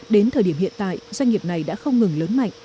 đến thời điểm hiện tại doanh nghiệp này đã không ngừng lớn mạnh